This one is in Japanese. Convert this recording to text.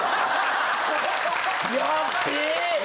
やっべぇ。